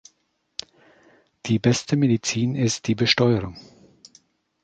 Die beste Medizin ist die Besteuerung.